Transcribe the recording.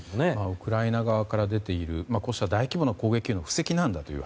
ウクライナ側から出ているこうした大規模な攻撃の布石なんだと。